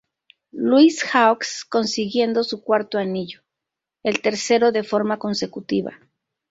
Louis Hawks, consiguiendo su cuarto anillo, el tercero de forma consecutiva.